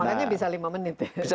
makanya bisa lima menit